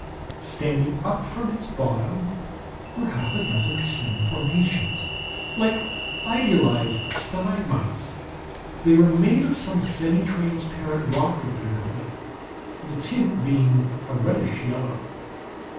Standing up from its bottom were half a dozen slim formations, like idealized stalagmites; they were made of some semitransparent rock, apparently, the tint being a reddish yellow.